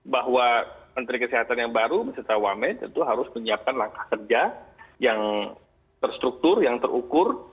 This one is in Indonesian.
bahwa menteri kesehatan yang baru beserta wamen tentu harus menyiapkan langkah kerja yang terstruktur yang terukur